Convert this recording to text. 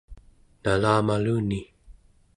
nalamaluni